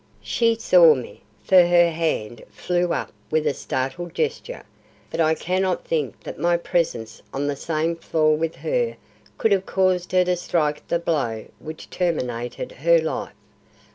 She saw me, for her hand flew up with a startled gesture, but I cannot think that my presence on the same floor with her could have caused her to strike the blow which terminated her life.